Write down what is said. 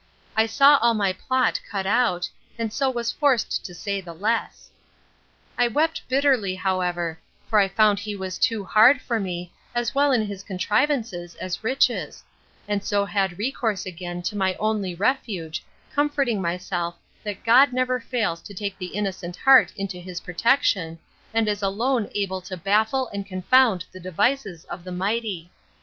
I saw all my plot cut out, and so was forced to say the less. I wept bitterly, however; for I found he was too hard for me, as well in his contrivances as riches; and so had recourse again to my only refuge, comforting myself, that God never fails to take the innocent heart into his protection, and is alone able to baffle and confound the devices of the mighty.